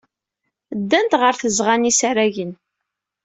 Ddant ɣer tzeɣɣa n yisaragen.